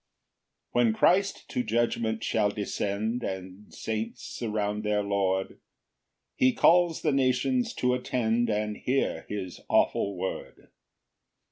1 When Christ to judgment shall descend And saints surround their Lord, He calls the nations to attend, And hear his awful word.